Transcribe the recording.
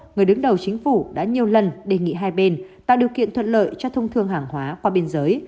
người đứng đầu chính phủ đã nhiều lần đề nghị hai bên tạo điều kiện thuận lợi cho thông thương hàng hóa qua biên giới